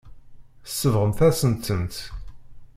Tsebɣemt-asent-tent.